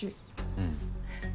うん。